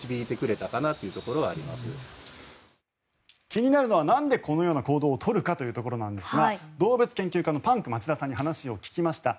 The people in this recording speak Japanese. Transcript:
気になるのはなんでこのような行動を取るのかというところなんですが動物研究家のパンク町田さんに話を聞きました。